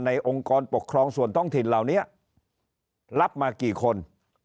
องค์กรปกครองส่วนท้องถิ่นเหล่านี้รับมากี่คน